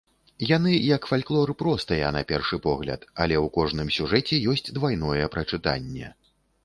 Яны, як фальклор, простыя на першы погляд, але ў кожным сюжэце ёсць двайное прачытанне.